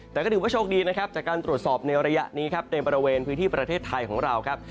แต่ก็ถือว่าโชคดีนะครับจากการตรวจสอบในระยะนี้ครับในบริเวณพื้นที่ประเทศไทยของเราครับ